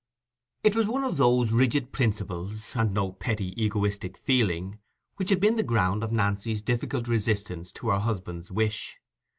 It was one of those rigid principles, and no petty egoistic feeling, which had been the ground of Nancy's difficult resistance to her husband's wish.